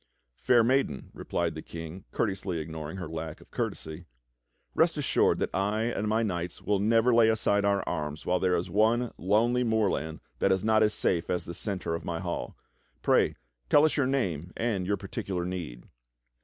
"Fair maiden," replied the King, courteously ignoring her lack of courtesy, "rest assured that I and my knights will never lay aside our arms while there is one lonely moorland that is not as safe as the centre of this hall. Pray tell us your name and your particular need."